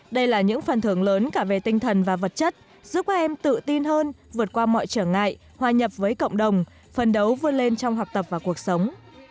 đây là những phần thưởng lớn cả về tinh thần và vật chất giúp các em tự tin hơn vượt qua mọi trở ngại hòa nhập với cộng đồng phần đấu vươn lên trong học tập và cuộc sống